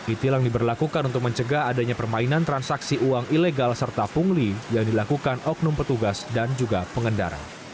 e tilang diberlakukan untuk mencegah adanya permainan transaksi uang ilegal serta pungli yang dilakukan oknum petugas dan juga pengendara